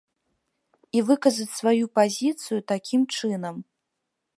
І выказаць сваю пазіцыю такім чынам.